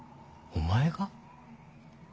お前が。